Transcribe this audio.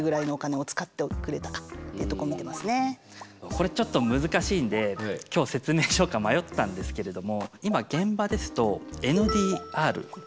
これちょっと難しいんで今日説明しようか迷ったんですけれども今現場ですとＮＤＲ売上継続率。